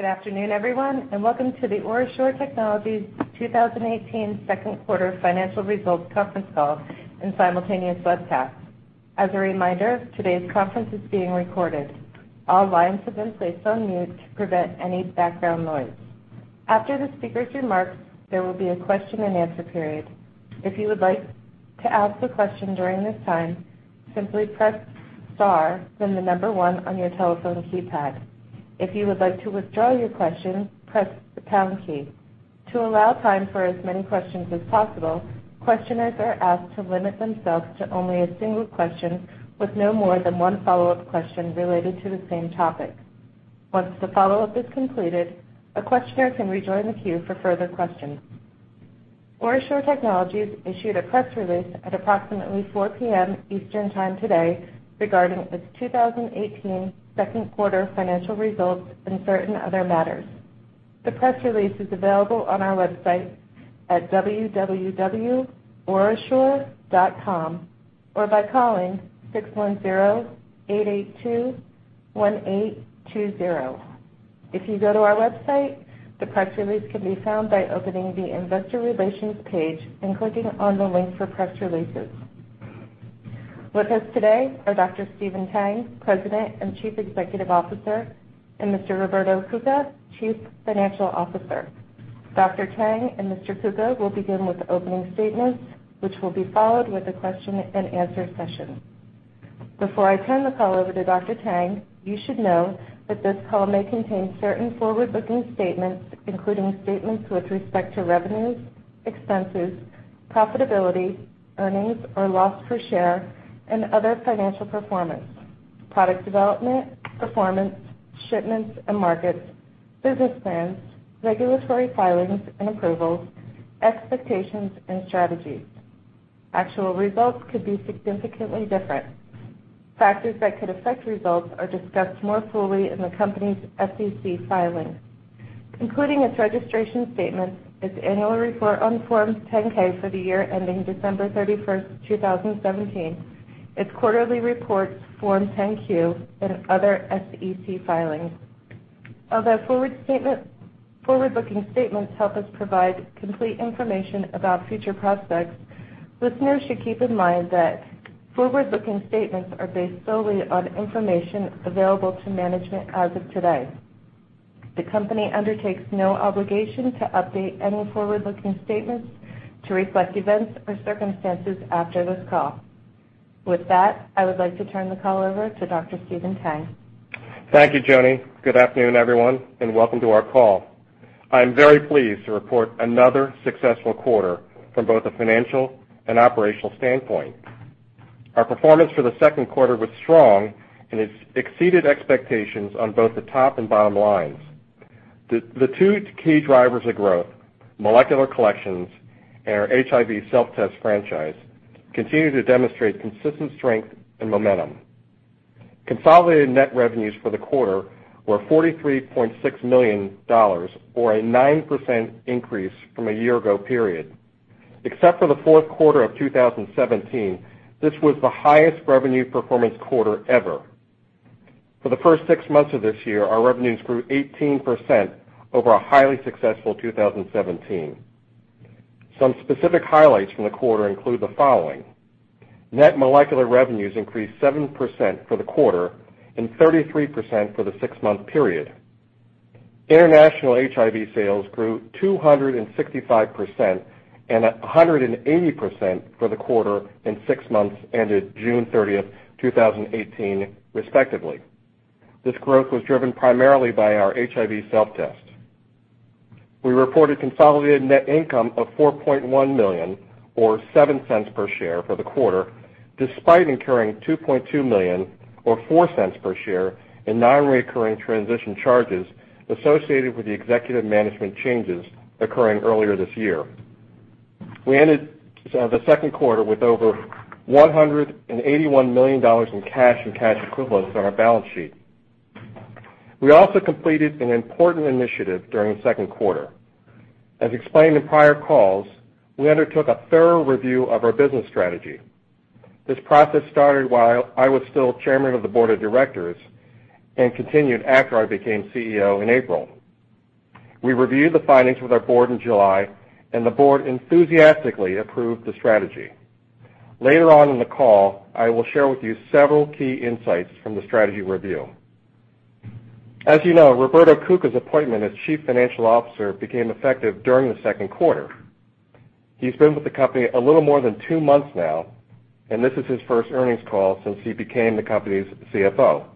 Good afternoon, everyone, and welcome to the OraSure Technologies 2018 second quarter financial results conference call and simultaneous webcast. As a reminder, today's conference is being recorded. All lines have been placed on mute to prevent any background noise. After the speakers' remarks, there will be a question and answer period. If you would like to ask a question during this time, simply press star, then the number 1 on your telephone keypad. If you would like to withdraw your question, press the pound key. To allow time for as many questions as possible, questioners are asked to limit themselves to only a single question with no more than one follow-up question related to the same topic. Once the follow-up is completed, a questioner can rejoin the queue for further questions. OraSure Technologies issued a press release at approximately 4:00 P.M. Eastern Time today regarding its 2018 second quarter financial results and certain other matters. The press release is available on our website at www.orasure.com or by calling 610-882-1820. If you go to our website, the press release can be found by opening the investor relations page and clicking on the link for press releases. With us today are Dr. Stephen Tang, President and Chief Executive Officer, and Mr. Roberto Cuca, Chief Financial Officer. Dr. Tang and Mr. Cuca will begin with opening statements, which will be followed with a question and answer session. Before I turn the call over to Dr. Tang, you should know that this call may contain certain forward-looking statements, including statements with respect to revenues, expenses, profitability, earnings or loss per share, and other financial performance, product development, performance, shipments and markets, business plans, regulatory filings and approvals, expectations, and strategies. Actual results could be significantly different. Factors that could affect results are discussed more fully in the company's SEC filings, including its registration statements, its annual report on Form 10-K for the year ending December 31st, 2017, its quarterly reports, Form 10-Q, and other SEC filings. Although forward-looking statements help us provide complete information about future prospects, listeners should keep in mind that forward-looking statements are based solely on information available to management as of today. The company undertakes no obligation to update any forward-looking statements to reflect events or circumstances after this call. With that, I would like to turn the call over to Dr. Stephen Tang. Thank you, Joni. Good afternoon, everyone. Welcome to our call. I am very pleased to report another successful quarter from both a financial and operational standpoint. Our performance for the second quarter was strong and has exceeded expectations on both the top and bottom lines. The two key drivers of growth, molecular collections and our HIV self-test franchise, continue to demonstrate consistent strength and momentum. Consolidated net revenues for the quarter were $43.6 million, or a 9% increase from a year-ago period. Except for the fourth quarter of 2017, this was the highest revenue performance quarter ever. For the first six months of this year, our revenues grew 18% over a highly successful 2017. Some specific highlights from the quarter include the following. Net molecular revenues increased 7% for the quarter and 33% for the six-month period. International HIV sales grew 265% and 180% for the quarter and six months ended June 30, 2018, respectively. This growth was driven primarily by our HIV self-test. We reported consolidated net income of $4.1 million, or $0.07 per share for the quarter, despite incurring $2.2 million, or $0.04 per share in non-recurring transition charges associated with the executive management changes occurring earlier this year. We ended the second quarter with over $181 million in cash and cash equivalents on our balance sheet. We also completed an important initiative during the second quarter. As explained in prior calls, we undertook a thorough review of our business strategy. This process started while I was still Chairman of the Board of Directors and continued after I became CEO in April. We reviewed the findings with our board in July, and the board enthusiastically approved the strategy. Later on in the call, I will share with you several key insights from the strategy review. As you know, Roberto Cuca's appointment as Chief Financial Officer became effective during the second quarter. He's been with the company a little more than two months now, and this is his first earnings call since he became the company's CFO.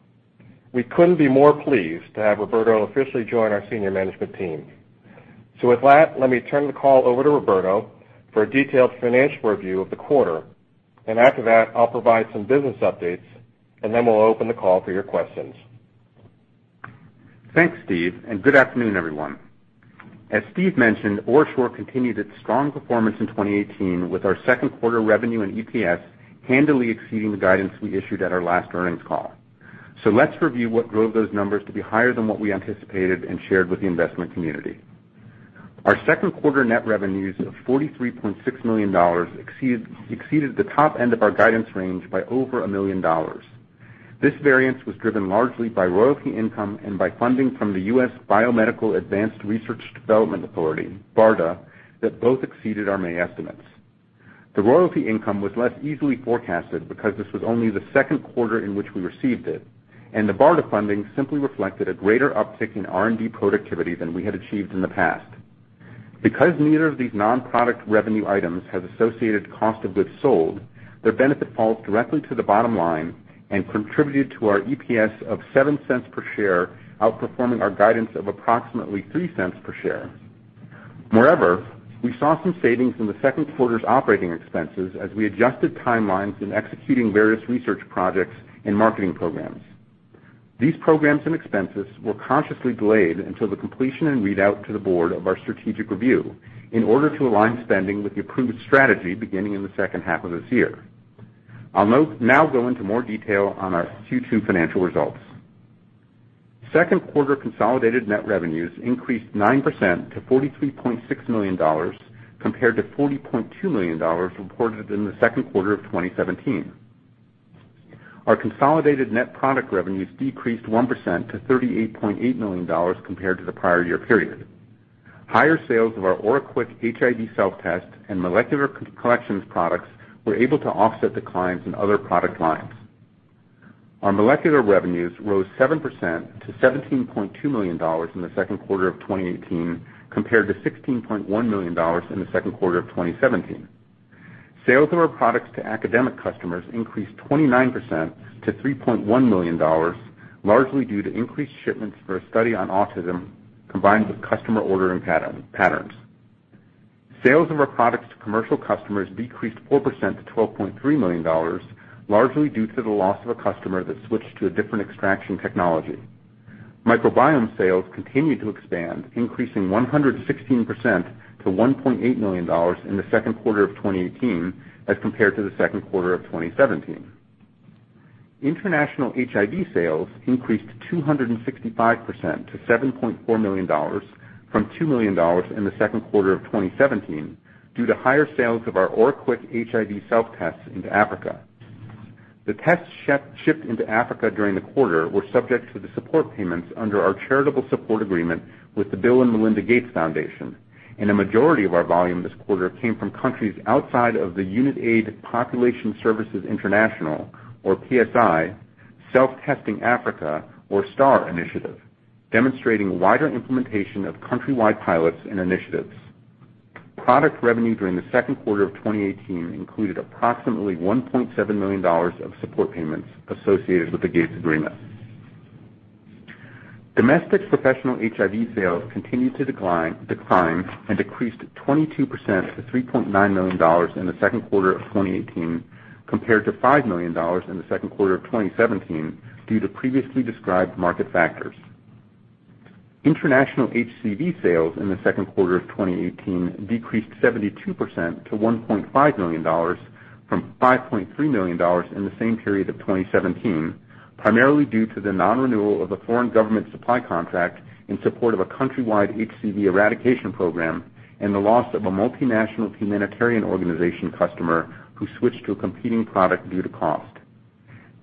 We couldn't be more pleased to have Roberto officially join our senior management team. With that, let me turn the call over to Roberto for a detailed financial review of the quarter. After that, I'll provide some business updates. Then we'll open the call for your questions. Thanks, Steve. Good afternoon, everyone. As Steve mentioned, OraSure continued its strong performance in 2018 with our second quarter revenue and EPS handily exceeding the guidance we issued at our last earnings call. Let's review what drove those numbers to be higher than what we anticipated and shared with the investment community. Our second quarter net revenues of $43.6 million exceeded the top end of our guidance range by over $1 million. This variance was driven largely by royalty income and by funding from the Biomedical Advanced Research and Development Authority, BARDA, that both exceeded our May estimates. The royalty income was less easily forecasted because this was only the second quarter in which we received it, and the BARDA funding simply reflected a greater uptick in R&D productivity than we had achieved in the past. Because neither of these non-product revenue items has associated cost of goods sold, their benefit falls directly to the bottom line and contributed to our EPS of $0.07 per share, outperforming our guidance of approximately $0.03 per share. Moreover, we saw some savings in the second quarter's operating expenses as we adjusted timelines in executing various research projects and marketing programs. These programs and expenses were consciously delayed until the completion and readout to the board of our strategic review in order to align spending with the approved strategy beginning in the second half of this year. I'll now go into more detail on our Q2 financial results. Second quarter consolidated net revenues increased 9% to $43.6 million compared to $40.2 million reported in the second quarter of 2017. Our consolidated net product revenues decreased 1% to $38.8 million compared to the prior year period. Higher sales of our OraQuick HIV self-test and molecular collections products were able to offset declines in other product lines. Our molecular revenues rose 7% to $17.2 million in the second quarter of 2018 compared to $16.1 million in the second quarter of 2017. Sales of our products to academic customers increased 29% to $3.1 million, largely due to increased shipments for a study on autism combined with customer ordering patterns. Sales of our products to commercial customers decreased 4% to $12.3 million, largely due to the loss of a customer that switched to a different extraction technology. Microbiome sales continued to expand, increasing 116% to $1.8 million in the second quarter of 2018 as compared to the second quarter of 2017. International HIV sales increased 265% to $7.4 million from $2 million in the second quarter of 2017 due to higher sales of our OraQuick HIV self-tests into Africa. The tests shipped into Africa during the quarter were subject to the support payments under our charitable support agreement with the Bill & Melinda Gates Foundation, and a majority of our volume this quarter came from countries outside of the Unitaid Population Services International, or PSI, Self-Testing Africa, or STAR Initiative, demonstrating wider implementation of country-wide pilots and initiatives. Product revenue during the second quarter of 2018 included approximately $1.7 million of support payments associated with the Gates agreement. Domestic professional HIV sales continued to decline and decreased 22% to $3.9 million in the second quarter of 2018 compared to $5 million in the second quarter of 2017 due to previously described market factors. International HCV sales in the second quarter of 2018 decreased 72% to $1.5 million from $5.3 million in the same period of 2017, primarily due to the non-renewal of a foreign government supply contract in support of a country-wide HCV eradication program and the loss of a multinational humanitarian organization customer who switched to a competing product due to cost.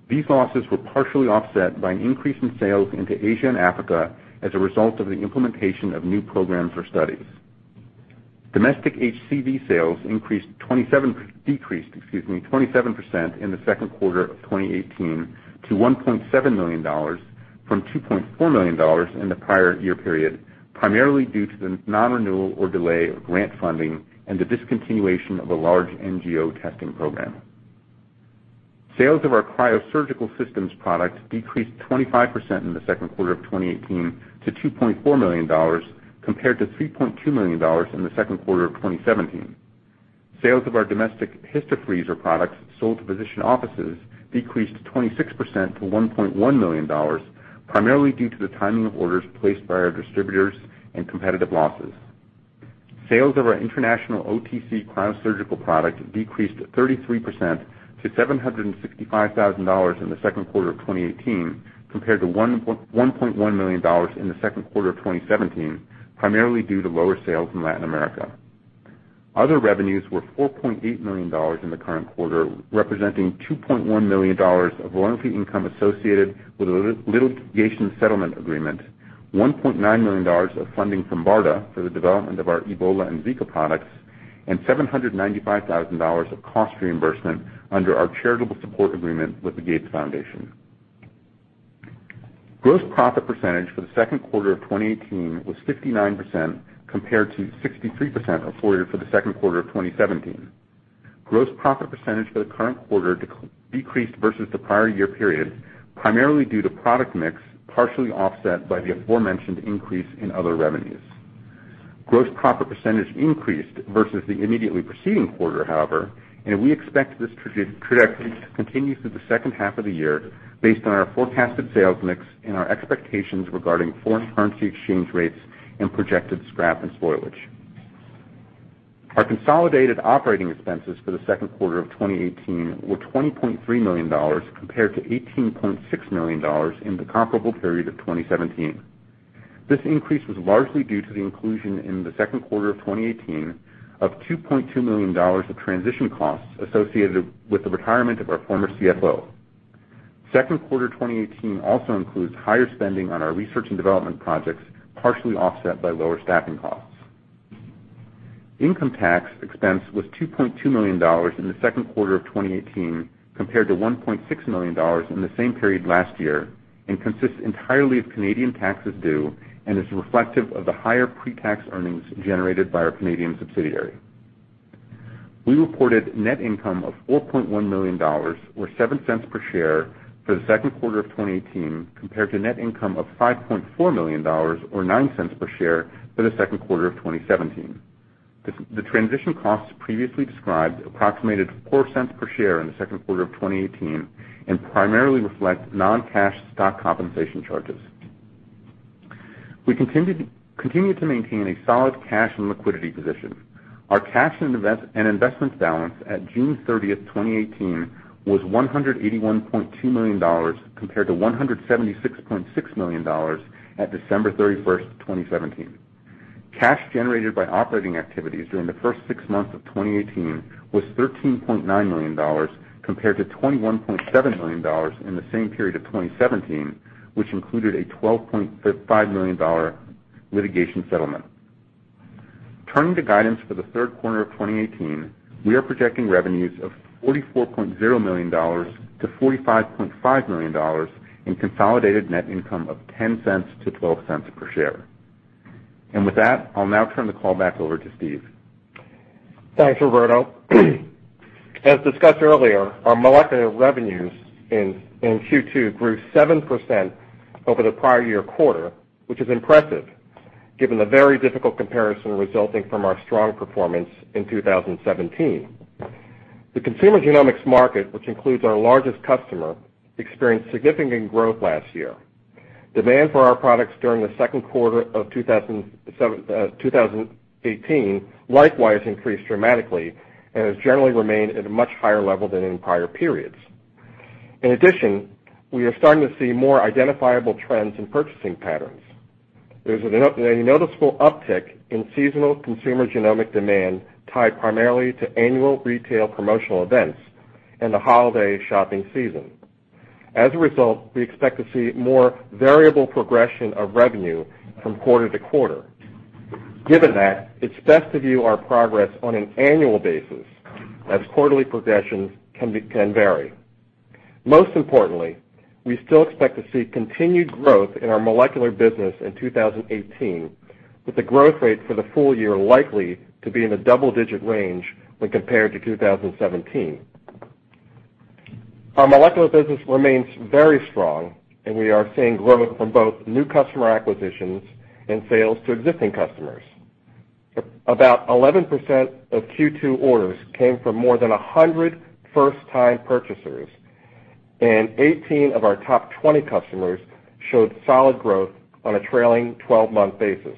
These losses were partially offset by an increase in sales into Asia and Africa as a result of the implementation of new programs or studies. Domestic HCV sales decreased 27% in the second quarter of 2018 to $1.7 million from $2.4 million in the prior year period, primarily due to the non-renewal or delay of grant funding and the discontinuation of a large NGO testing program. Sales of our cryosurgical systems product decreased 25% in the second quarter of 2018 to $2.4 million compared to $3.2 million in the second quarter of 2017. Sales of our domestic HistoFreezer products sold to physician offices decreased 26% to $1.1 million, primarily due to the timing of orders placed by our distributors and competitive losses. Sales of our international OTC cryosurgical product decreased 33% to $765,000 in the second quarter of 2018 compared to $1.1 million in the second quarter of 2017, primarily due to lower sales in Latin America. Other revenues were $4.8 million in the current quarter, representing $2.1 million of royalty income associated with a litigation settlement agreement, $1.9 million of funding from BARDA for the development of our Ebola and Zika products, and $795,000 of cost reimbursement under our charitable support agreement with the Gates Foundation. Gross profit percentage for the second quarter of 2018 was 59% compared to 63% reported for the second quarter of 2017. Gross profit percentage for the current quarter decreased versus the prior year period, primarily due to product mix, partially offset by the aforementioned increase in other revenues. Gross profit percentage increased versus the immediately preceding quarter, however, we expect this trajectory to continue through the second half of the year based on our forecasted sales mix and our expectations regarding foreign currency exchange rates and projected scrap and spoilage. Our consolidated operating expenses for the second quarter of 2018 were $20.3 million compared to $18.6 million in the comparable period of 2017. This increase was largely due to the inclusion in the second quarter of 2018 of $2.2 million of transition costs associated with the retirement of our former CFO. Second quarter 2018 also includes higher spending on our research and development projects, partially offset by lower staffing costs. Income tax expense was $2.2 million in the second quarter of 2018 compared to $1.6 million in the same period last year. Consists entirely of Canadian taxes due and is reflective of the higher pre-tax earnings generated by our Canadian subsidiary. We reported net income of $4.1 million or $0.07 per share for the second quarter of 2018, compared to net income of $5.4 million or $0.09 per share for the second quarter of 2017. The transition costs previously described approximated $0.04 per share in the second quarter of 2018 and primarily reflect non-cash stock compensation charges. We continue to maintain a solid cash and liquidity position. Our cash and investments balance at June 30th, 2018, was $181.2 million, compared to $176.6 million at December 31st, 2017. Cash generated by operating activities during the first six months of 2018 was $13.9 million, compared to $21.7 million in the same period of 2017, which included a $12.5 million litigation settlement. Turning to guidance for the third quarter of 2018, we are projecting revenues of $44.0 million-$45.5 million in consolidated net income of $0.10-$0.12 per share. With that, I'll now turn the call back over to Steve. Thanks, Roberto. As discussed earlier, our molecular revenues in Q2 grew 7% over the prior year quarter, which is impressive given the very difficult comparison resulting from our strong performance in 2017. The consumer genomics market, which includes our largest customer, experienced significant growth last year. Demand for our products during the second quarter of 2018 likewise increased dramatically and has generally remained at a much higher level than in prior periods. In addition, we are starting to see more identifiable trends in purchasing patterns. There's a noticeable uptick in seasonal consumer genomic demand tied primarily to annual retail promotional events and the holiday shopping season. As a result, we expect to see more variable progression of revenue from quarter to quarter. Given that, it's best to view our progress on an annual basis as quarterly progressions can vary. Most importantly, we still expect to see continued growth in our molecular business in 2018, with the growth rate for the full year likely to be in the double-digit range when compared to 2017. Our molecular business remains very strong, and we are seeing growth from both new customer acquisitions and sales to existing customers. About 11% of Q2 orders came from more than 100 first-time purchasers, and 18 of our top 20 customers showed solid growth on a trailing 12-month basis.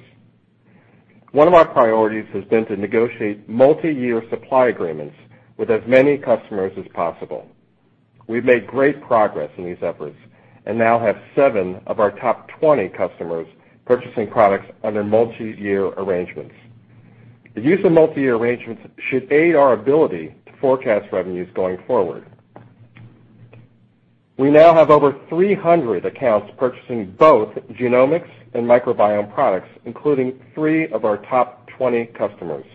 One of our priorities has been to negotiate multi-year supply agreements with as many customers as possible. We've made great progress in these efforts and now have seven of our top 20 customers purchasing products under multi-year arrangements. The use of multi-year arrangements should aid our ability to forecast revenues going forward. We now have over 300 accounts purchasing both genomics and microbiome products, including three of our top 20 customers.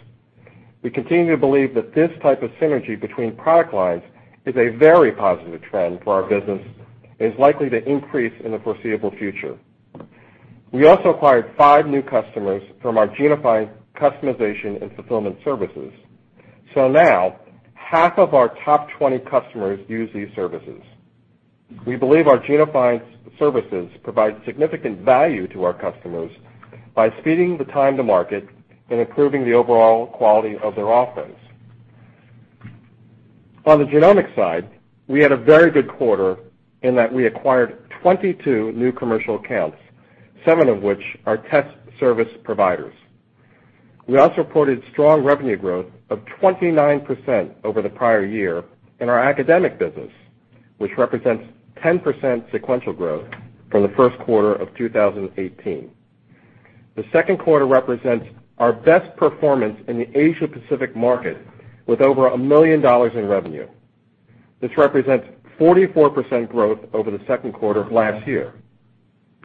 We continue to believe that this type of synergy between product lines is a very positive trend for our business and is likely to increase in the foreseeable future. We also acquired five new customers from our GenoFIND customization and fulfillment services. Now half of our top 20 customers use these services. We believe our GenoFIND services provide significant value to our customers by speeding the time to market and improving the overall quality of their offerings. On the genomics side, we had a very good quarter in that we acquired 22 new commercial accounts, seven of which are test service providers. We also reported strong revenue growth of 29% over the prior year in our academic business, which represents 10% sequential growth from the first quarter of 2018. The second quarter represents our best performance in the Asia Pacific market, with over $1 million in revenue. This represents 44% growth over the second quarter of last year.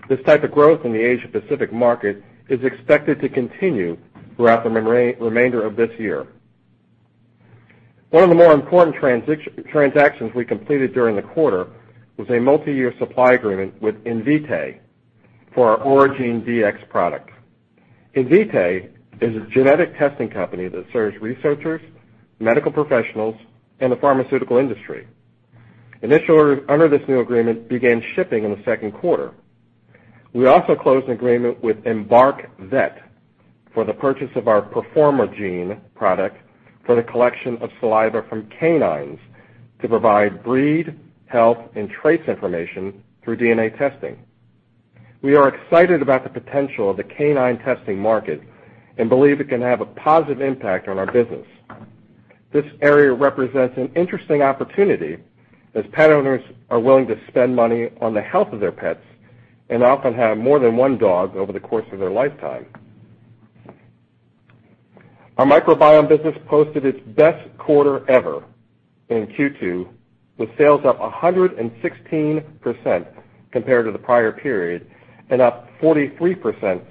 This type of growth in the Asia Pacific market is expected to continue throughout the remainder of this year. One of the more important transactions we completed during the quarter was a multi-year supply agreement with Invitae for our OraGene Dx product. Invitae is a genetic testing company that serves researchers, medical professionals, and the pharmaceutical industry. Initial orders under this new agreement began shipping in the second quarter. We also closed an agreement with Embark Vet for the purchase of our PERFORMAgene product for the collection of saliva from canines to provide breed, health, and trace information through DNA testing. We are excited about the potential of the canine testing market and believe it can have a positive impact on our business. This area represents an interesting opportunity as pet owners are willing to spend money on the health of their pets and often have more than one dog over the course of their lifetime. Our microbiome business posted its best quarter ever in Q2, with sales up 116% compared to the prior period and up 43%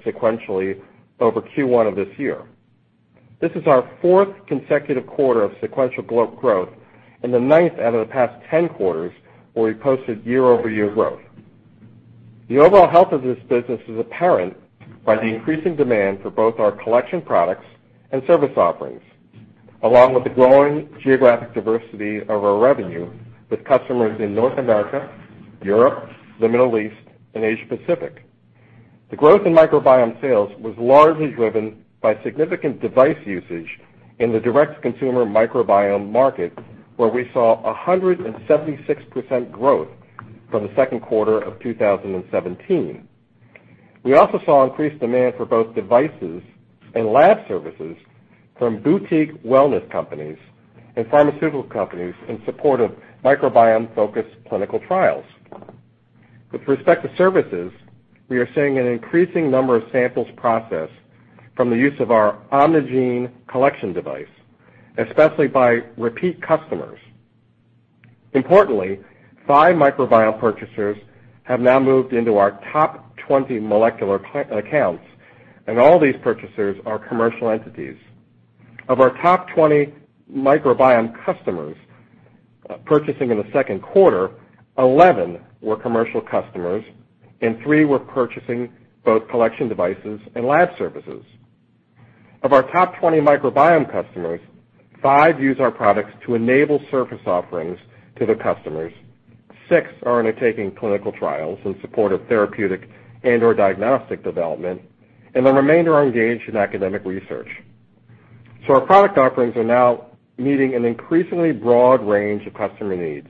sequentially over Q1 of this year. This is our fourth consecutive quarter of sequential growth and the ninth out of the past 10 quarters where we posted year-over-year growth. The overall health of this business is apparent by the increasing demand for both our collection products and service offerings, along with the growing geographic diversity of our revenue with customers in North America, Europe, the Middle East, and Asia Pacific. The growth in microbiome sales was largely driven by significant device usage in the direct-to-consumer microbiome market, where we saw 176% growth from the second quarter of 2017. We also saw increased demand for both devices and lab services from boutique wellness companies and pharmaceutical companies in support of microbiome-focused clinical trials. With respect to services, we are seeing an increasing number of samples processed from the use of our OMNIgene collection device, especially by repeat customers. Importantly, five microbiome purchasers have now moved into our top 20 molecular accounts, and all these purchasers are commercial entities. Of our top 20 microbiome customers purchasing in the second quarter, 11 were commercial customers and three were purchasing both collection devices and lab services. Of our top 20 microbiome customers, five use our products to enable service offerings to the customers, six are undertaking clinical trials in support of therapeutic and/or diagnostic development, and the remainder are engaged in academic research. Our product offerings are now meeting an increasingly broad range of customer needs.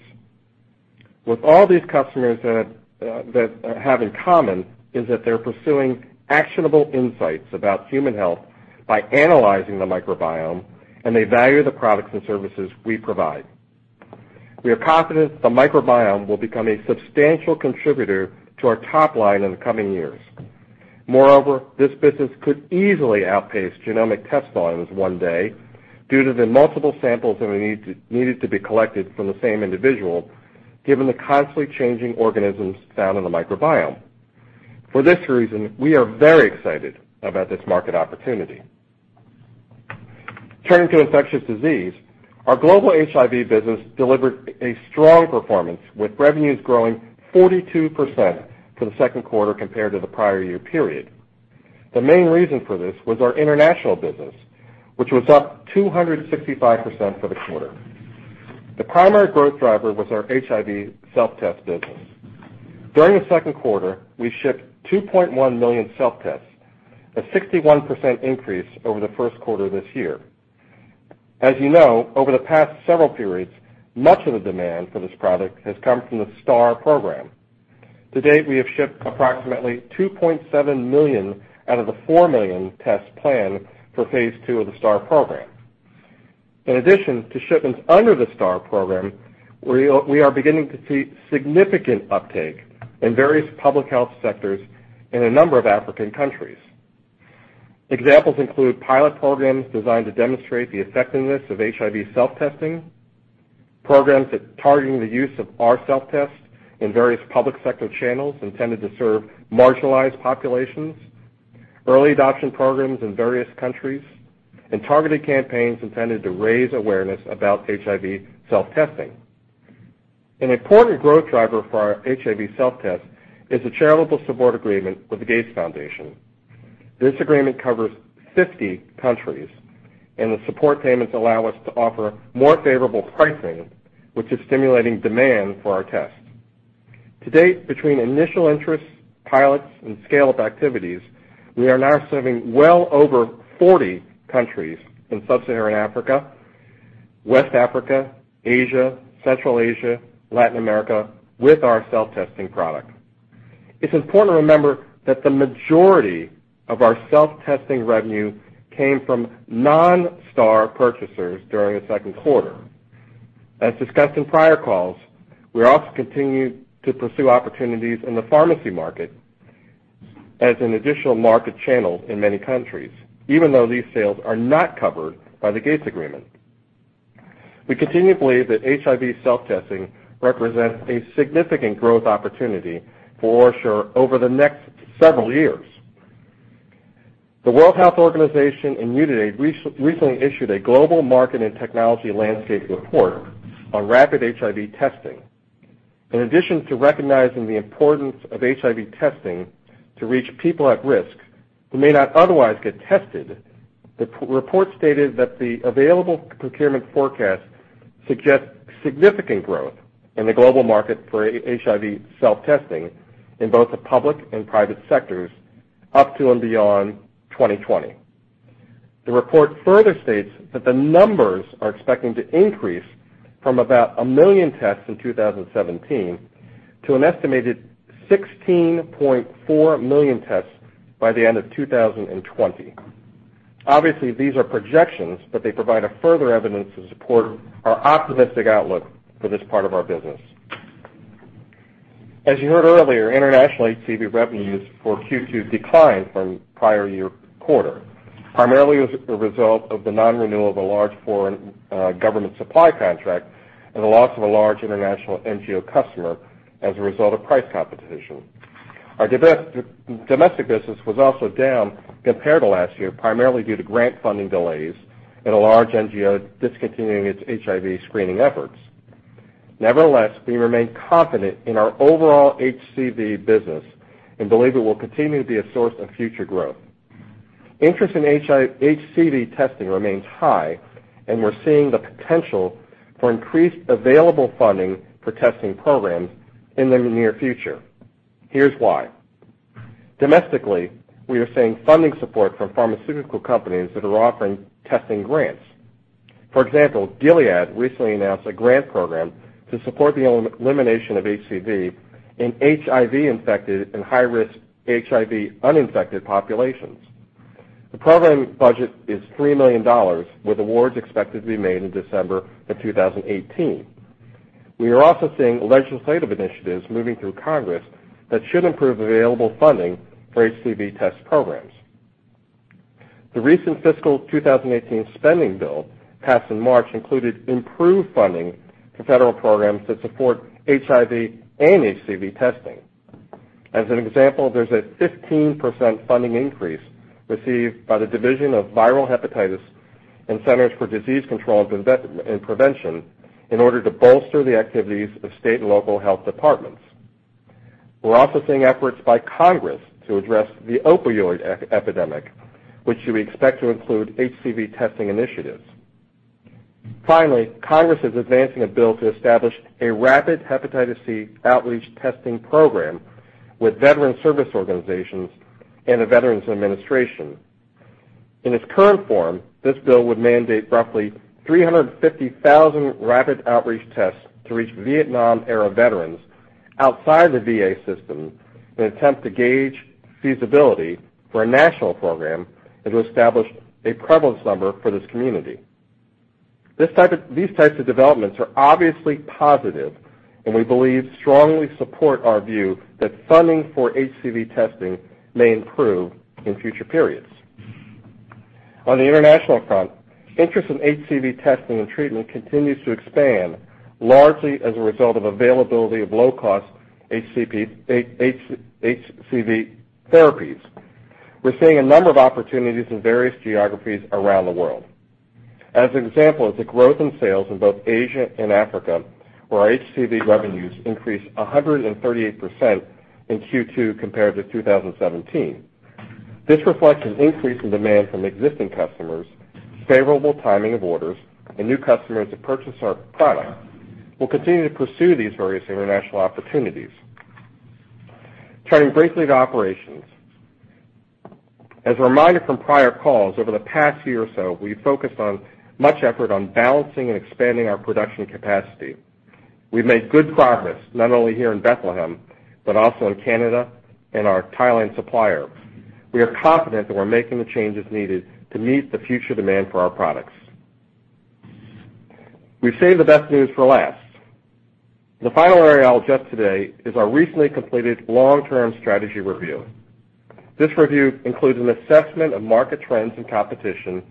What all these customers have in common is that they're pursuing actionable insights about human health by analyzing the microbiome, and they value the products and services we provide. We are confident the microbiome will become a substantial contributor to our top line in the coming years. This business could easily outpace genomic test volumes one day due to the multiple samples that are needed to be collected from the same individual, given the constantly changing organisms found in the microbiome. For this reason, we are very excited about this market opportunity. Turning to infectious disease, our global HIV business delivered a strong performance, with revenues growing 42% for the second quarter compared to the prior year period. The main reason for this was our international business, which was up 265% for the quarter. The primary growth driver was our HIV self-test business. During the second quarter, we shipped 2.1 million self-tests, a 61% increase over the first quarter of this year. As you know, over the past several periods, much of the demand for this product has come from the STAR program. To date, we have shipped approximately 2.7 million out of the 4 million tests planned for phase II of the STAR program. In addition to shipments under the STAR program, we are beginning to see significant uptake in various public health sectors in a number of African countries. Examples include pilot programs designed to demonstrate the effectiveness of HIV self-testing, programs targeting the use of our self-test in various public sector channels intended to serve marginalized populations, early adoption programs in various countries, and targeted campaigns intended to raise awareness about HIV self-testing. An important growth driver for our HIV self-test is a charitable support agreement with the Gates Foundation. This agreement covers 50 countries, and the support payments allow us to offer more favorable pricing, which is stimulating demand for our tests. To date, between initial interests, pilots, and scale-up activities, we are now serving well over 40 countries in Sub-Saharan Africa, West Africa, Asia, Central Asia, Latin America, with our self-testing product. It's important to remember that the majority of our self-testing revenue came from non-STAR purchasers during the second quarter. As discussed in prior calls, we also continue to pursue opportunities in the pharmacy market as an additional market channel in many countries, even though these sales are not covered by the Gates agreement. We continue to believe that HIV self-testing represents a significant growth opportunity for OraSure over the next several years. The World Health Organization and Unitaid recently issued a global market and technology landscape report on rapid HIV testing. In addition to recognizing the importance of HIV testing to reach people at risk who may not otherwise get tested, the report stated that the available procurement forecast suggests significant growth in the global market for HIV self-testing in both the public and private sectors up to and beyond 2020. The report further states that the numbers are expecting to increase from about a million tests in 2017 to an estimated 16.4 million tests by the end of 2020. Obviously, these are projections, but they provide a further evidence to support our optimistic outlook for this part of our business. As you heard earlier, international HCV revenues for Q2 declined from prior year quarter, primarily as a result of the non-renewal of a large foreign government supply contract and the loss of a large international NGO customer as a result of price competition. Our domestic business was also down compared to last year, primarily due to grant funding delays and a large NGO discontinuing its HIV screening efforts. Nevertheless, we remain confident in our overall HCV business and believe it will continue to be a source of future growth. Interest in HCV testing remains high, and we're seeing the potential for increased available funding for testing programs in the near future. Here's why. Domestically, we are seeing funding support from pharmaceutical companies that are offering testing grants. For example, Gilead recently announced a grant program to support the elimination of HCV in HIV-infected and high-risk HIV uninfected populations. The program budget is $3 million, with awards expected to be made in December of 2018. We are also seeing legislative initiatives moving through Congress that should improve available funding for HCV test programs. The recent fiscal 2018 spending bill passed in March included improved funding for federal programs that support HIV and HCV testing. As an example, there's a 15% funding increase received by the Division of Viral Hepatitis and Centers for Disease Control and Prevention in order to bolster the activities of state and local health departments. We're also seeing efforts by Congress to address the opioid epidemic, which we expect to include HCV testing initiatives. Finally, Congress is advancing a bill to establish a rapid hepatitis C outreach testing program with veteran service organizations and the Veterans Administration. In its current form, this bill would mandate roughly 350,000 rapid outreach tests to reach Vietnam-era veterans outside the VA system in an attempt to gauge feasibility for a national program and to establish a prevalence number for this community. These types of developments are obviously positive, and we believe strongly support our view that funding for HCV testing may improve in future periods. On the international front, interest in HCV testing and treatment continues to expand, largely as a result of availability of low-cost HCV therapies. We're seeing a number of opportunities in various geographies around the world. As an example is the growth in sales in both Asia and Africa, where our HCV revenues increased 138% in Q2 compared to 2017. This reflects an increase in demand from existing customers, favorable timing of orders, and new customers that purchase our product. We'll continue to pursue these various international opportunities. Turning briefly to operations. As a reminder from prior calls, over the past year or so, we've focused much effort on balancing and expanding our production capacity. We've made good progress, not only here in Bethlehem, but also in Canada and our Thailand supplier. We are confident that we're making the changes needed to meet the future demand for our products. We've saved the best news for last. The final area I'll address today is our recently completed long-term strategy review. This review includes an assessment of market trends and competition,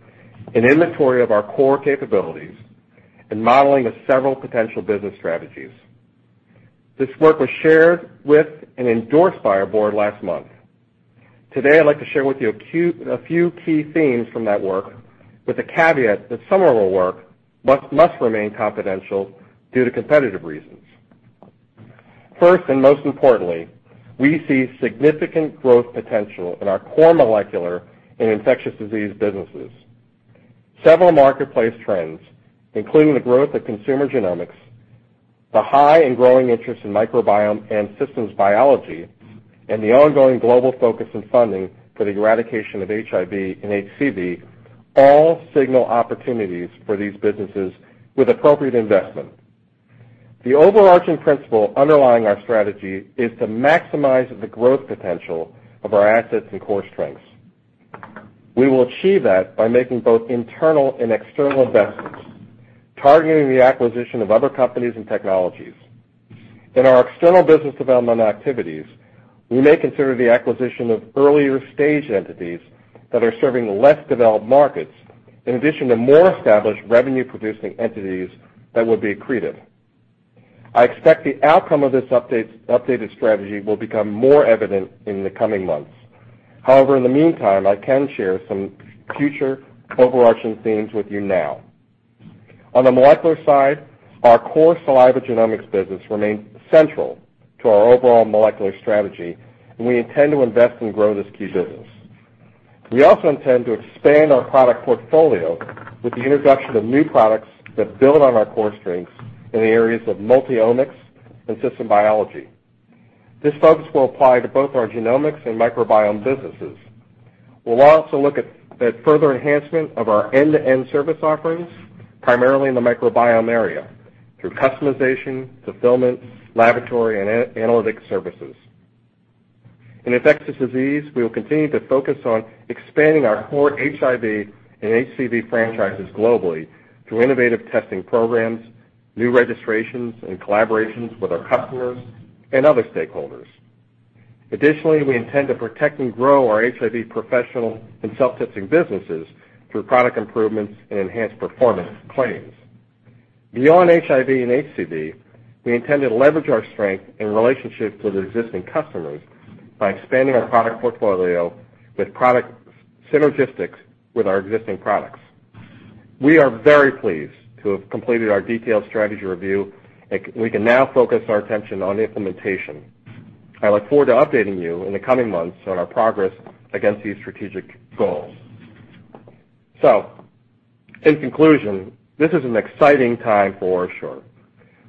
an inventory of our core capabilities, and modeling of several potential business strategies. This work was shared with and endorsed by our board last month. Today, I'd like to share with you a few key themes from that work, with the caveat that some of our work must remain confidential due to competitive reasons. First, and most importantly, we see significant growth potential in our core molecular and infectious disease businesses. Several marketplace trends, including the growth of consumer genomics, the high and growing interest in microbiome and systems biology, and the ongoing global focus and funding for the eradication of HIV and HCV, all signal opportunities for these businesses with appropriate investment. The overarching principle underlying our strategy is to maximize the growth potential of our assets and core strengths. We will achieve that by making both internal and external investments, targeting the acquisition of other companies and technologies. In our external business development activities, we may consider the acquisition of earlier-stage entities that are serving less-developed markets, in addition to more established revenue-producing entities that will be accretive. I expect the outcome of this updated strategy will become more evident in the coming months. In the meantime, I can share some future overarching themes with you now. On the molecular side, our core saliva genomics business remains central to our overall molecular strategy. We intend to invest and grow this key business. We also intend to expand our product portfolio with the introduction of new products that build on our core strengths in the areas of multi-omics and systems biology. This focus will apply to both our genomics and microbiome businesses. We will also look at further enhancement of our end-to-end service offerings, primarily in the microbiome area, through customization, fulfillment, laboratory, and analytics services. In infectious disease, we will continue to focus on expanding our core HIV and HCV franchises globally through innovative testing programs, new registrations, and collaborations with our customers and other stakeholders. Additionally, we intend to protect and grow our HIV professional and self-testing businesses through product improvements and enhanced performance claims. Beyond HIV and HCV, we intend to leverage our strength and relationships with existing customers by expanding our product portfolio with product synergies with our existing products. We are very pleased to have completed our detailed strategy review. We can now focus our attention on implementation. I look forward to updating you in the coming months on our progress against these strategic goals. In conclusion, this is an exciting time for OraSure.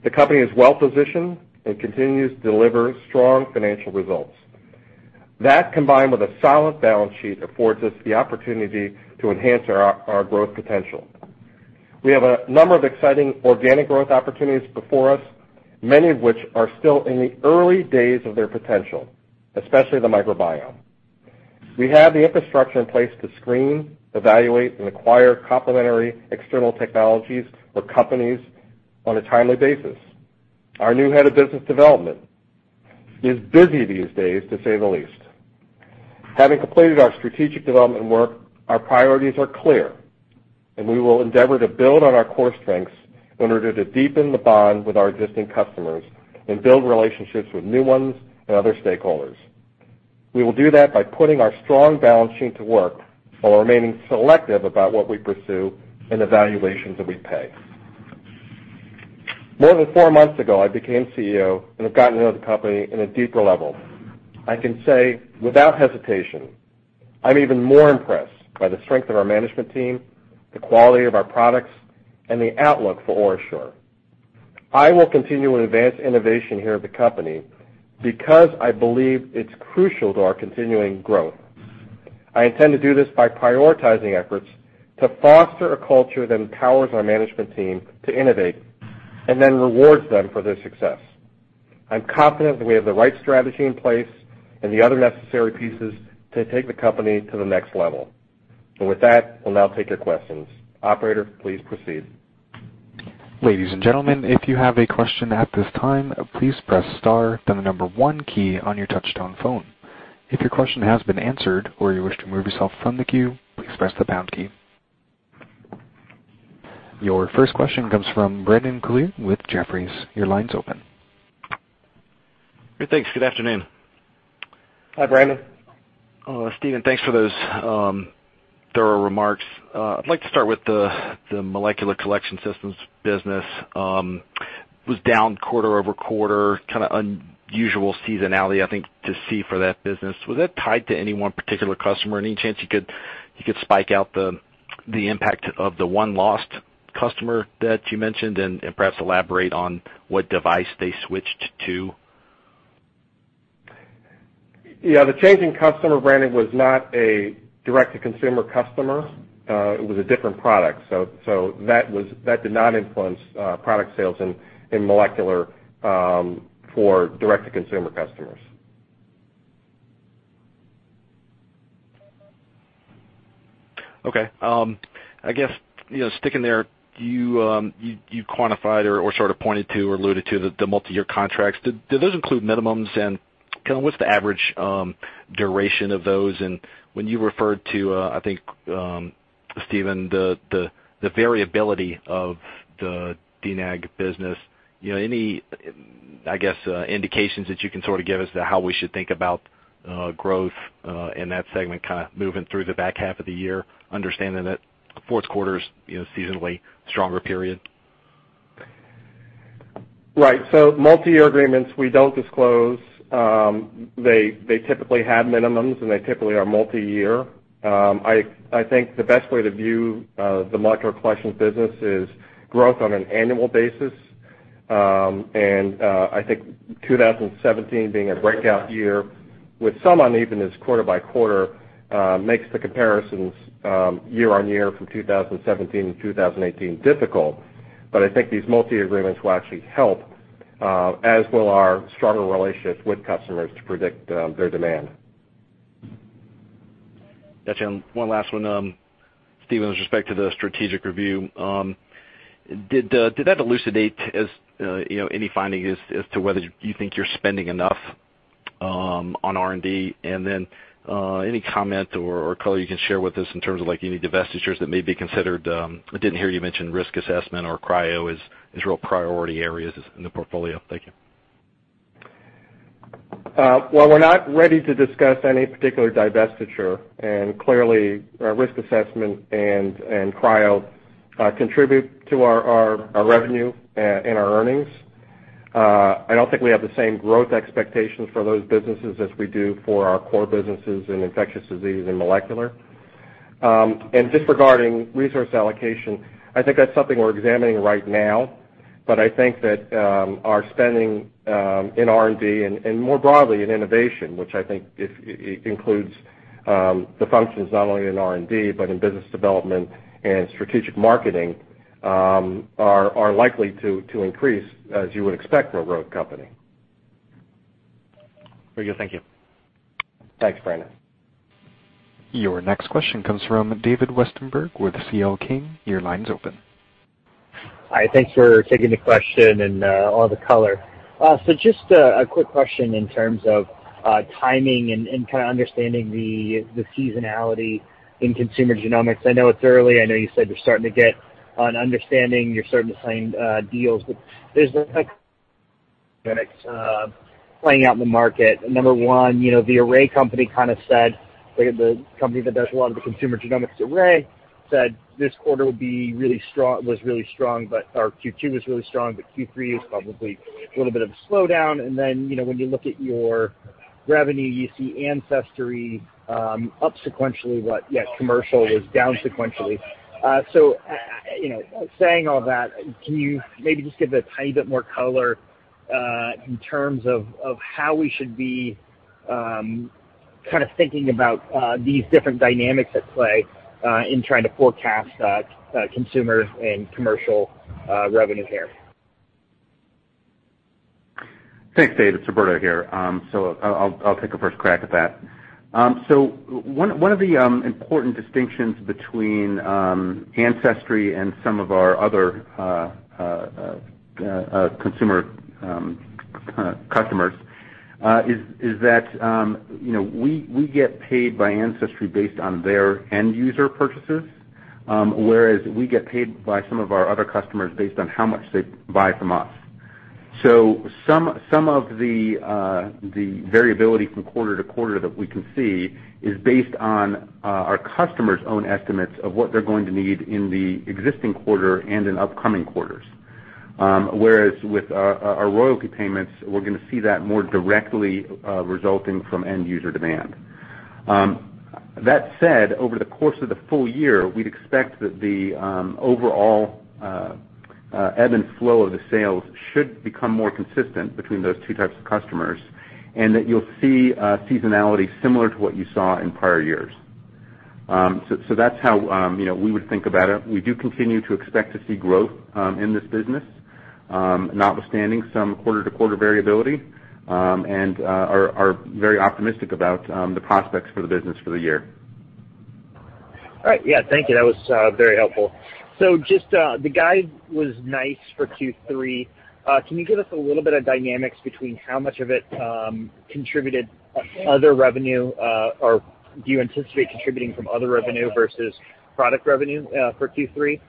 The company is well-positioned and continues to deliver strong financial results. That, combined with a solid balance sheet, affords us the opportunity to enhance our growth potential. We have a number of exciting organic growth opportunities before us, many of which are still in the early days of their potential, especially the microbiome. We have the infrastructure in place to screen, evaluate, and acquire complementary external technologies or companies on a timely basis. Our new head of business development is busy these days, to say the least. Having completed our strategic development work, our priorities are clear. We will endeavor to build on our core strengths in order to deepen the bond with our existing customers and build relationships with new ones and other stakeholders. We will do that by putting our strong balance sheet to work while remaining selective about what we pursue and the valuations that we pay. More than four months ago, I became CEO. I have gotten to know the company at a deeper level. I can say without hesitation, I am even more impressed by the strength of our management team, the quality of our products, and the outlook for OraSure. I will continue to advance innovation here at the company because I believe it is crucial to our continuing growth. I intend to do this by prioritizing efforts to foster a culture that empowers our management team to innovate and then rewards them for their success. I'm confident that we have the right strategy in place and the other necessary pieces to take the company to the next level. With that, we'll now take your questions. Operator, please proceed. Ladies and gentlemen, if you have a question at this time, please press star, then the number one key on your touchtone phone. If your question has been answered or you wish to remove yourself from the queue, please press the pound key. Your first question comes from Brandon Couillard with Jefferies. Your line's open. Great, thanks. Good afternoon. Hi, Brandon. Stephen, thanks for those thorough remarks. I'd like to start with the molecular collection systems business. It was down quarter-over-quarter, kind of unusual seasonality, I think, to see for that business. Was that tied to any one particular customer? Any chance you could break out the impact of the one lost customer that you mentioned and perhaps elaborate on what device they switched to? Yeah. The changing customer, Brandon, was not a direct-to-consumer customer. It was a different product. That did not influence product sales in molecular for direct-to-consumer customers. Okay. I guess, sticking there, you quantified or sort of pointed to or alluded to the multi-year contracts. Do those include minimums, and what's the average duration of those? When you referred to, I think, Stephen, the variability of the DTC business, any indications that you can sort of give as to how we should think about growth in that segment kind of moving through the back half of the year, understanding that fourth quarter's seasonally a stronger period? Right. Multi-year agreements, we don't disclose. They typically have minimums, and they typically are multi-year. I think the best way to view the molecular collections business is growth on an annual basis, and I think 2017 being a breakout year with some unevenness quarter-by-quarter makes the comparisons year-on-year from 2017 to 2018 difficult. I think these multi-year agreements will actually help, as will our stronger relationships with customers to predict their demand. Got you. One last one, Stephen, with respect to the strategic review. Did that elucidate any finding as to whether you think you're spending enough on R&D? Then any comment or color you can share with us in terms of any divestitures that may be considered? I didn't hear you mention risk assessment or cryo as real priority areas in the portfolio. Thank you. Well, we're not ready to discuss any particular divestiture. Clearly, risk assessment and cryo contribute to our revenue and our earnings. I don't think we have the same growth expectations for those businesses as we do for our core businesses in infectious disease and molecular. Just regarding resource allocation, I think that's something we're examining right now, but I think that our spending in R&D and more broadly in innovation, which I think includes the functions not only in R&D, but in business development and strategic marketing, are likely to increase as you would expect for a growth company. Very good. Thank you. Thanks, Brandon. Your next question comes from David Westenberg with C.L. King. Your line's open. Hi, thanks for taking the question and all the color. Just a quick question in terms of timing and kind of understanding the seasonality in consumer genomics. I know it's early. I know you said you're starting to get an understanding. You're starting to sign deals, but there's playing out in the market. Number one, the array company kind of said, the company that does a lot of the consumer genomics array, said this quarter was really strong, Q2 was really strong, but Q3 is probably a little bit of a slowdown. When you look at your revenue, you see Ancestry.com up sequentially, but yet commercial was down sequentially. Saying all that, can you maybe just give it a tiny bit more color in terms of how we should be kind of thinking about these different dynamics at play, in trying to forecast consumer and commercial revenue here? Thanks, Dave. It's Roberto here. I'll take a first crack at that. One of the important distinctions between Ancestry.com and some of our other consumer customers is that we get paid by Ancestry.com based on their end user purchases, whereas we get paid by some of our other customers based on how much they buy from us. Some of the variability from quarter to quarter that we can see is based on our customers' own estimates of what they're going to need in the existing quarter and in upcoming quarters. Whereas with our royalty payments, we're going to see that more directly resulting from end user demand. That said, over the course of the full year, we'd expect that the overall ebb and flow of the sales should become more consistent between those two types of customers, and that you'll see a seasonality similar to what you saw in prior years. That's how we would think about it. We do continue to expect to see growth in this business, notwithstanding some quarter-to-quarter variability, and are very optimistic about the prospects for the business for the year. All right. Yeah, thank you. That was very helpful. Just the guide was nice for Q3. Can you give us a little bit of dynamics between how much of it contributed other revenue, or do you anticipate contributing from other revenue versus product revenue for Q3?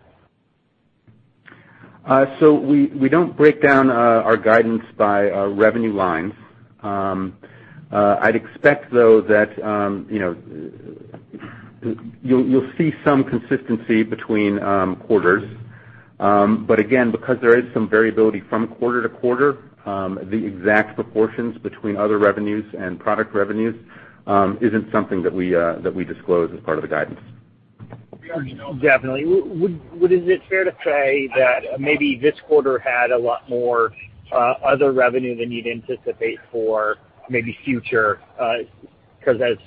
We don't break down our guidance by revenue lines. I'd expect, though, that you'll see some consistency between quarters. Again, because there is some variability from quarter to quarter, the exact proportions between other revenues and product revenues isn't something that we disclose as part of the guidance. Definitely. Is it fair to say that maybe this quarter had a lot more other revenue than you'd anticipate for maybe future?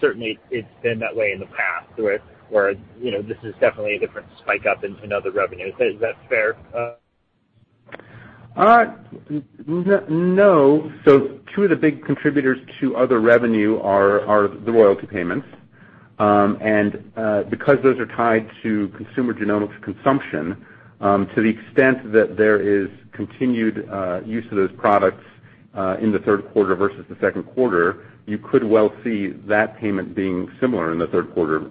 Certainly it's been that way in the past, where this is definitely a different spike up in other revenues. Is that fair? No. Two of the big contributors to other revenue are the royalty payments. Because those are tied to consumer genomics consumption, to the extent that there is continued use of those products in the third quarter versus the second quarter, you could well see that payment being similar in the third quarter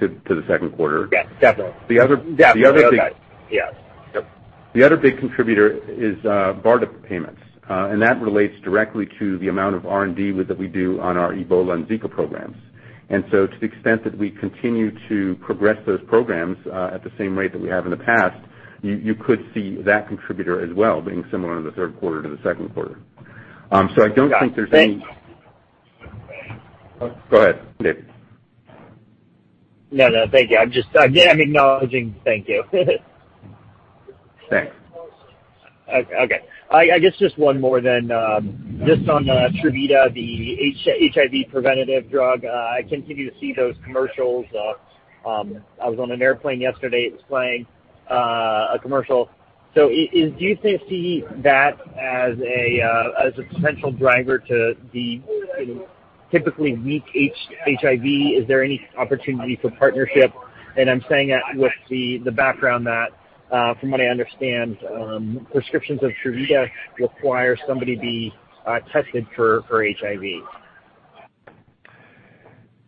to the second quarter. Yes, definitely. The other big- Yes. Yep. The other big contributor is BARDA payments. That relates directly to the amount of R&D that we do on our Ebola and Zika programs. To the extent that we continue to progress those programs at the same rate that we have in the past, you could see that contributor as well, being similar in the third quarter to the second quarter. I don't think there's any- Got it. Thanks. Go ahead, David. No, thank you. I'm just acknowledging. Thank you. Thanks. Okay. I guess just one more then. Just on TRUVADA, the HIV preventative drug. I continue to see those commercials. I was on an airplane yesterday, it was playing a commercial. Do you see that as a potential driver to the typically weak HIV? Is there any opportunity for partnership? I'm saying that with the background that, from what I understand, prescriptions of TRUVADA require somebody be tested for HIV.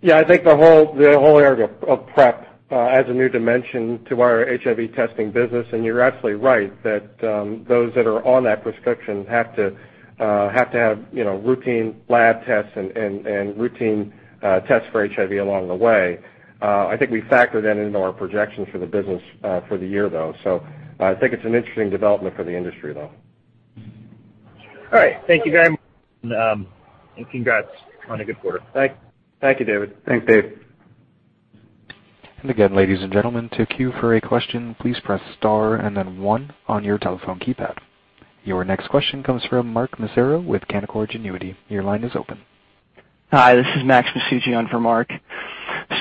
Yeah, I think the whole area of PrEP adds a new dimension to our HIV testing business, and you're absolutely right that those that are on that prescription have to have routine lab tests and routine tests for HIV along the way. I think we factor that into our projections for the business for the year, though. I think it's an interesting development for the industry, though. All right. Thank you very much, and congrats on a good quarter. Thank you, David. Thanks, Dave. Again, ladies and gentlemen, to queue for a question, please press star and then one on your telephone keypad. Your next question comes from Mark Massaro with Canaccord Genuity. Your line is open. Hi, this is Max Masucci for Mark.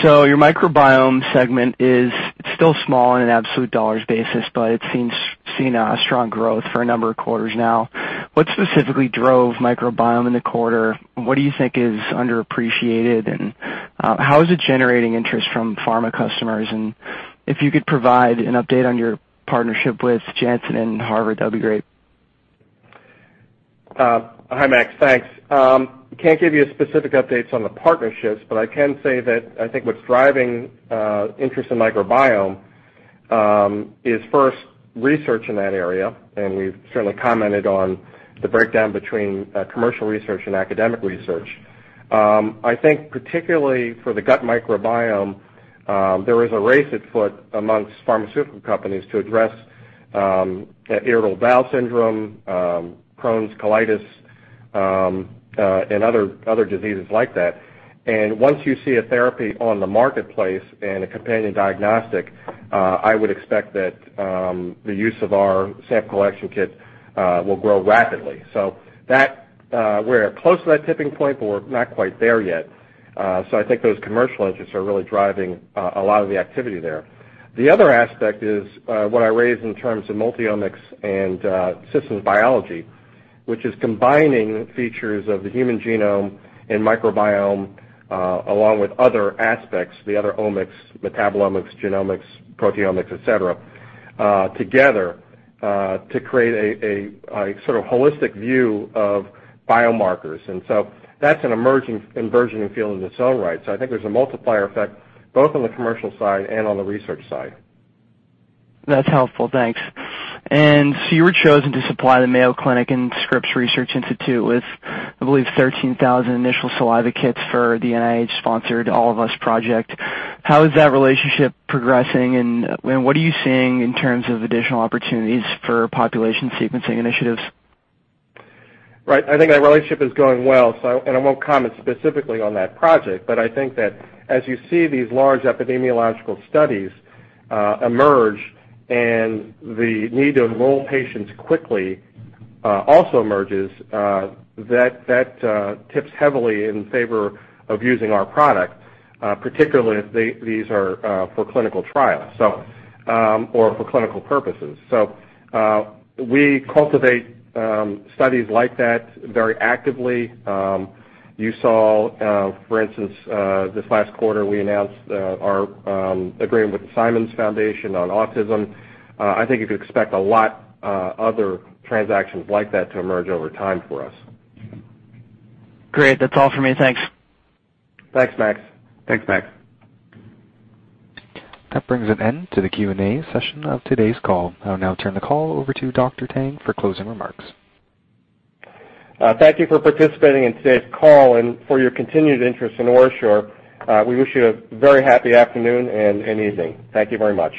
Your microbiome segment is still small in an absolute dollars basis, but it's seen a strong growth for a number of quarters now. What specifically drove microbiome in the quarter? What do you think is underappreciated, and how is it generating interest from pharma customers? If you could provide an update on your partnership with Janssen and Harvard, that'd be great. Hi, Max. Thanks. Can't give you specific updates on the partnerships, but I can say that I think what's driving interest in microbiome is first research in that area, and we've certainly commented on the breakdown between commercial research and academic research. I think particularly for the gut microbiome, there is a race afoot amongst pharmaceutical companies to address irritable bowel syndrome, Crohn's colitis, and other diseases like that. Once you see a therapy on the marketplace and a companion diagnostic, I would expect that the use of our sample collection kit will grow rapidly. We're close to that tipping point, but we're not quite there yet. I think those commercial interests are really driving a lot of the activity there. The other aspect is what I raised in terms of multi-omics and systems biology, which is combining features of the human genome and microbiome, along with other aspects, the other omics, metabolomics, genomics, proteomics, et cetera, together, to create a sort of holistic view of biomarkers. That's an emerging and burgeoning field in its own right. I think there's a multiplier effect both on the commercial side and on the research side. That's helpful. Thanks. You were chosen to supply the Mayo Clinic and Scripps Research Institute with, I believe, 13,000 initial saliva kits for the NIH-sponsored All of Us project. How is that relationship progressing, and what are you seeing in terms of additional opportunities for population sequencing initiatives? Right. I think that relationship is going well, and I won't comment specifically on that project, but I think that as you see these large epidemiological studies emerge and the need to enroll patients quickly also emerges, that tips heavily in favor of using our product, particularly if these are for clinical trials or for clinical purposes. We cultivate studies like that very actively. You saw, for instance, this last quarter, we announced our agreement with the Simons Foundation on autism. I think you could expect a lot other transactions like that to emerge over time for us. Great. That's all for me. Thanks. Thanks, Max. Thanks, Max. That brings an end to the Q&A session of today's call. I'll now turn the call over to Dr. Tang for closing remarks. Thank you for participating in today's call and for your continued interest in OraSure. We wish you a very happy afternoon and evening. Thank you very much.